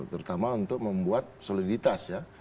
terutama untuk membuat soliditas ya